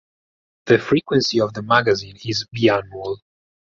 The frequency of the magazine is biannual.